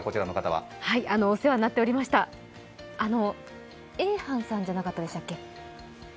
はい、お世話になっておりました、Ａ班さんじゃなかったでしたっけ？